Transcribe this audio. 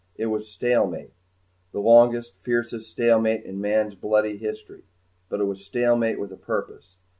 It was stalemate, the longest, fiercest stalemate in man's bloody history. But it was stalemate with a purpose.